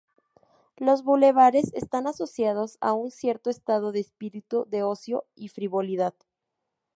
Los bulevares están asociados a un cierto estado de espíritu de ocio y frivolidad.